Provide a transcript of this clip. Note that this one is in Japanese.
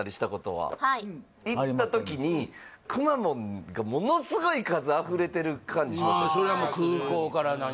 はい行った時にくまモンがものすごい数あふれてる感じしません？